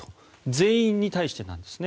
全員に対してなんですね。